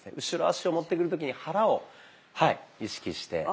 後ろ足を持ってくる時に肚を意識して。